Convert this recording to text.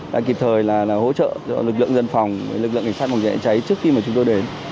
đã kịp thời là hỗ trợ lực lượng dân phòng lực lượng cảnh sát bảo vệ cháy trước khi mà chúng tôi đến